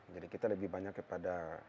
jadi kita lebih banyak kepada